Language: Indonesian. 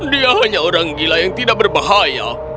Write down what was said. dia hanya orang gila yang tidak berbahaya